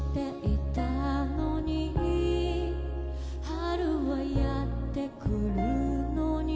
「春はやってくるのに」